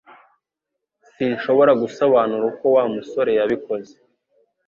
Sinshobora gusobanura uko Wa musore yabikoze